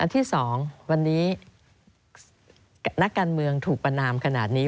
ที่๒วันนี้นักการเมืองถูกประนามขนาดนี้